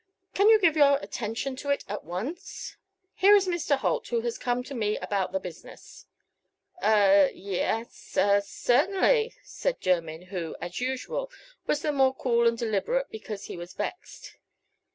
Can you give your attention to it at once? Here is Mr. Holt, who has come to me about the business." "A yes a certainly," said Jermyn, who, as usual, was the more cool and deliberate because he was vexed.